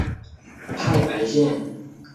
太白线